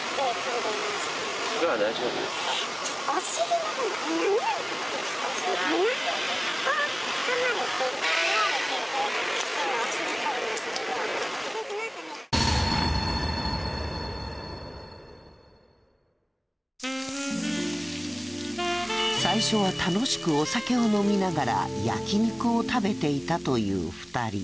まずは最初は楽しくお酒を飲みながら焼き肉を食べていたという２人。